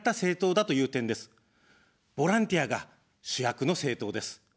ボランティアが主役の政党です。